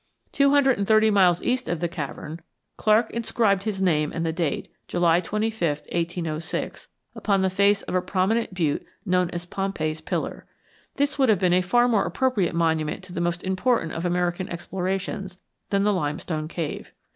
Two hundred and thirty miles east of the Cavern, Clark inscribed his name and the date, July 25, 1806, upon the face of a prominent butte known as Pompey's Pillar. This would have been a far more appropriate monument to the most important of American explorations than the limestone cave.